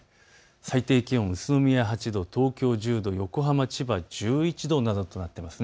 最低気温宇都宮８度、東京１０度、横浜、千葉１１度となっています。